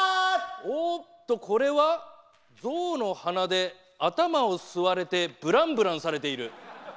おっと、これはゾウの鼻で頭を吸われてブランブランされている。